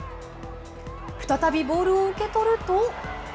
再びボールを受け取ると。